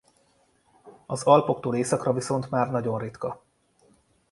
Az Alpoktól északra viszont már nagyon ritka.